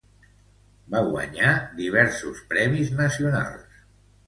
Va guanyar diversos premis nacionals.